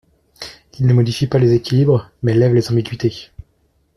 Il ne modifie pas les équilibres mais lève les ambiguïtés.